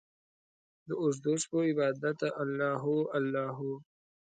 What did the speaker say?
داوږدوشپو عبادته الله هو، الله هو